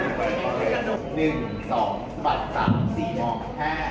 สุดท้ายก็ไม่มีเวลาที่จะรักกับที่อยู่ในภูมิหน้า